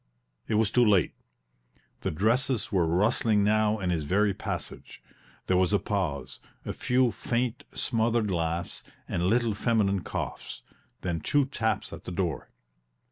It was too late; the dresses were rustling now in his very passage; there was a pause, a few faint, smothered laughs and little feminine coughs then two taps at the door.